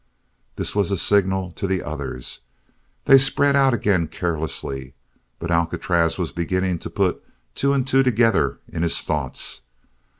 This was a signal to the others. They spread out again carelessly, but Alcatraz was beginning to put two and two together in his thoughts.